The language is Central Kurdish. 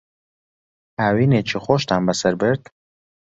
هاوینێکی خۆشتان بەسەر برد؟